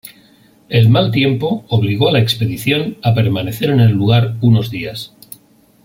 El mal tiempo obligó a la expedición a permanecer en el lugar unos días.